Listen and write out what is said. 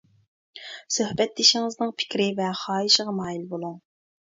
سۆھبەتدىشىڭىزنىڭ پىكرى ۋە خاھىشىغا مايىل بولۇڭ.